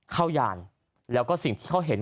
ยานแล้วก็สิ่งที่เขาเห็น